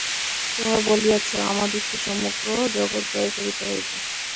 তোমরা বলিয়াছ, আমাদিগকে সমগ্র জগৎ জয় করিতে হইবে।